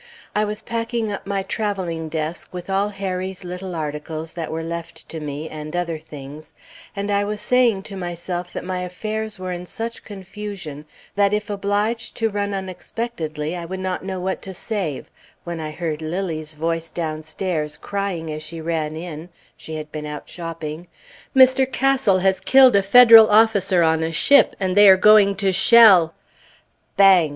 I was packing up my traveling desk with all Harry's little articles that were left to me, and other things, and I was saying to myself that my affairs were in such confusion that if obliged to run unexpectedly I would not know what to save, when I heard Lilly's voice downstairs, crying as she ran in she had been out shopping "Mr. Castle has killed a Federal officer on a ship, and they are going to shell " _Bang!